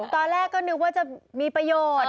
ตอนแรกก็นึกว่าจะมีประโยชน์